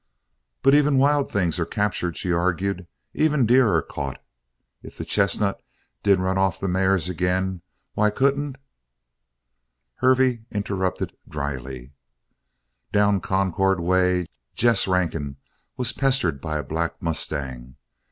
"But even wild things are captured," she argued. "Even deer are caught. If the chestnut did run off the mares again why couldn't " Hervey interrupted dryly: "Down Concord way, Jess Rankin was pestered by a black mustang.